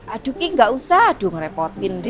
aduh ki gak usah aduh ngerepotin deh